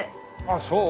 あっそう。